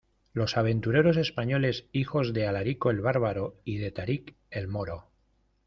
los aventureros españoles, hijos de Alarico el bárbaro y de Tarik el moro.